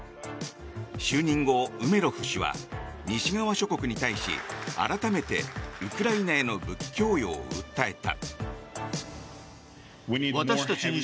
就任後、ウメロフ氏は西側諸国に対し改めて、ウクライナへの武器供与を訴えた。